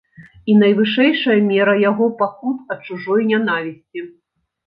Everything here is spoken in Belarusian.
І найвышэйшая мера яго пакут ад чужой нянавісці.